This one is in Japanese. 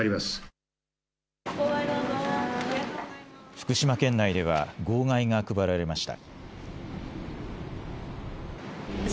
福島県内では号外が配られました。